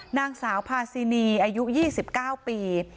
นางสาวพาซินีอายุ๒๙ปี